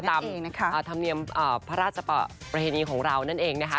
ธรรมเนียมพระราชประเพณีของเรานั่นเองนะคะ